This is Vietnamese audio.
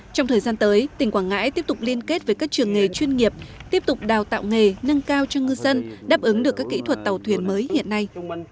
trong thời gian tới tỉnh quảng ngãi tiếp tục liên kết với các trường nghề chuyên nghiệp tiếp tục đào tạo nghề nâng cao cho ngư dân đáp ứng được các kỹ thuật tàu thuyền mới hiện nay